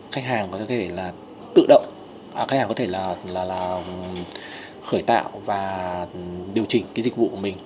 khách hàng có thể tự động khởi tạo và điều chỉnh dịch vụ của mình